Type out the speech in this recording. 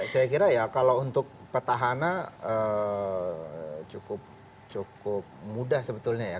saya kira ya kalau untuk petahana cukup mudah sebetulnya ya